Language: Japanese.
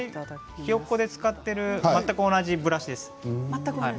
「ひよっこ」で使っている全く同じブラシです。